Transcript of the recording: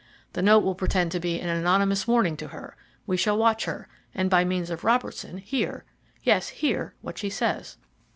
The note will pretend to be an anonymous warning to her. We shall watch her, and by means of Robertson hear yes, hear what she says.